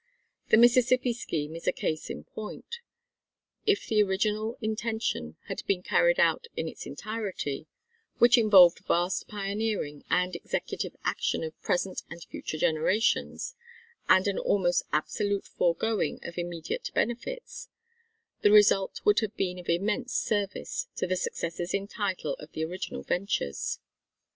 The Mississippi Scheme is a case in point. If the original intention had been carried out in its entirety which involved vast pioneering and executive action of present and future generations, and an almost absolute foregoing of immediate benefits the result would have been of immense service to the successors in title of the original ventures.